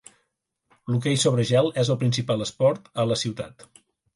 L'hoquei sobre gel és el principal esport a la ciutat.